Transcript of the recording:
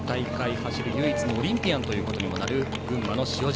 走る唯一のオリンピアンとなる群馬の塩尻。